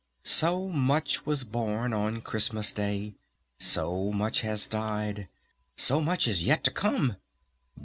So much was born on Christmas Day! So much has died! So much is yet to come!